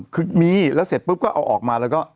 คือมีแล้วเสร็จปุ๊บก็เอาออกมาแล้วก็